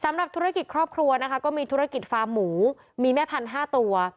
สำหรับธุรกิจครอบครัวนะคะก็มีธุรกิจฟาร์มหมูมีแม่พันธุ์๕ตัว